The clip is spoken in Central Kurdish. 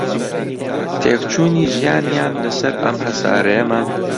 تێکچوونی ژیانیان لەسەر ئەم هەسارەیەمان